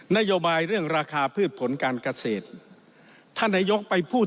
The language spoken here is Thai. นโยบายเรื่องราคาพืชผลการเกษตรท่านนายกไปพูด